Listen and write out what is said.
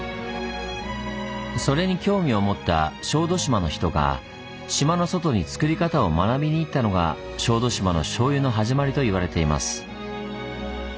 それに興味を持った小豆島の人が島の外につくり方を学びにいったのが小豆島のしょうゆの始まりといわれています。